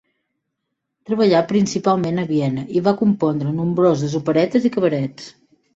Treballà principalment a Viena i va compondre nombroses operetes i cabarets.